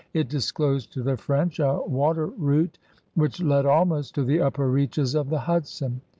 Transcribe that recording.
It disclosed to the French a water route which led almost to the upper reaches of the Hudson.